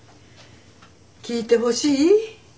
聞いてほしい？